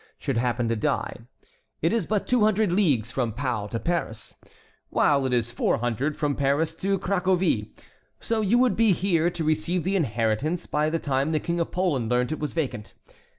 should happen to die, it is but two hundred leagues from Pau to Paris, while it is four hundred from Paris to Cracovie. So you would be here to receive the inheritance by the time the King of Poland learned it was vacant.